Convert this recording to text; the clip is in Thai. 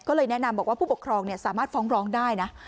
ก็เลยแนะนำบอกว่าผู้ปกครองสามารถฟ้องร้องได้นะ